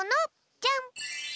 じゃん。